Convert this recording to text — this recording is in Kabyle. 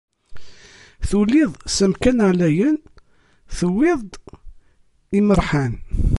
Tuliḍ s amkan ɛlayen, tewwiḍ-d imeṛhan.